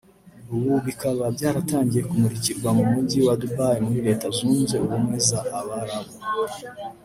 ubu bikaba byatangiye kumurikirwa mu Mujyi wa Dubai muri Leta Zunze Ubumwe za Abarabu